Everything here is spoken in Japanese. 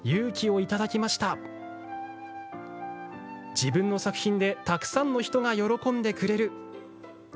自分の作品でたくさんの人が喜んでくれる。